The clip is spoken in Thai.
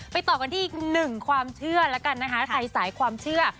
ต่อกันที่อีกหนึ่งความเชื่อแล้วกันนะคะสายความเชื่อ